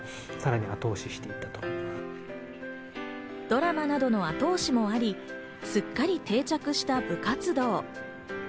ドラマなどの後押しもあり、すっかり定着した部活動。